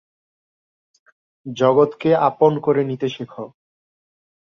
জগৎকে আপন করে নিতে শেখ।